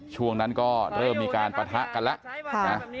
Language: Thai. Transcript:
ช่วงนั้นก็เริ่มมีการปะทะกันแล้วนะ